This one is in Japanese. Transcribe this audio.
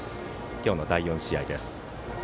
今日の第４試合です。